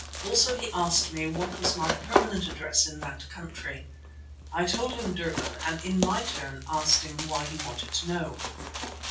Also he asked me what was my permanent address in that country. I told him Durban, and in my turn asked why he wanted to know.